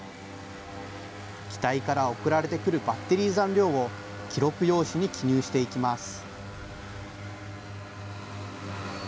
機体から送られてくるバッテリー残量を記録用紙に記入していきます。